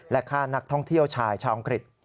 ฆ่านักท่องเที่ยวชายชาวอังกฤษ